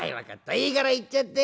いいから行っちゃって。